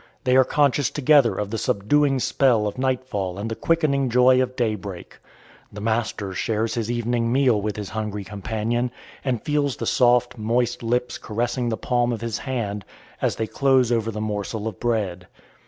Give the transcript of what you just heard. They are conscious together of the subduing spell of nightfall and the quickening joy of daybreak. The master shares his evening meal with his hungry companion, and feels the soft, moist lips caressing the palm of his hand as they close over the morsel of bread.